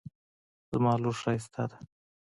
زما لور ښایسته ده